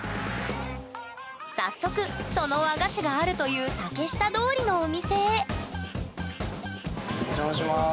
早速その和菓子があるという竹下通りのお店へお邪魔します。